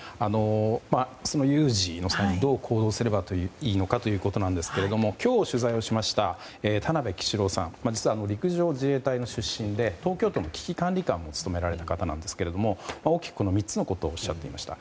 有事の際にどう行動すればいいのかということですが今日取材をしました田辺揮司良さん実は陸上自衛隊の出身で東京都の危機管理監を務められた方なんですが大きく３つのことをおっしゃっていました。